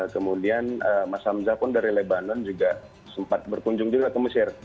kemudian mas hamzah pun dari lebanon juga sempat berkunjung juga ke mesir